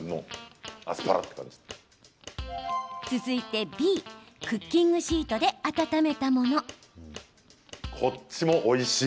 続いて、Ｂクッキングシートで温めたもの。